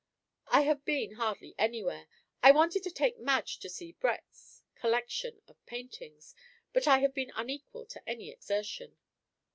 "I have been hardly anywhere. I wanted to take Madge to see Brett's Collection of Paintings; but I have been unequal to any exertion."